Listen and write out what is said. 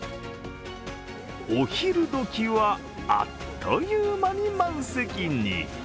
お昼どきはあっという間に満席に。